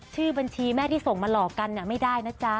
ชื่อบัญชีแม่ที่ส่งมาหลอกกันไม่ได้นะจ๊ะ